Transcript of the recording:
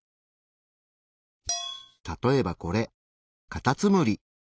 例えばこれカタツムリ。